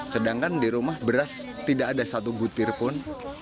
sedangkan di rumah beras tidak ada satu butir pun